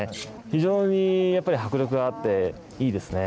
非常に、やっぱり迫力があっていいですね。